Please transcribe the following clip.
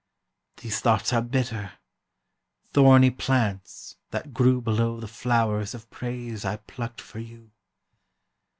These thoughts are bitter—thorny plants, that grew Below the flowers of praise I plucked for you.